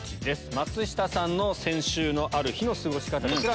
松下さんの先週のある日の過ごし方こちら。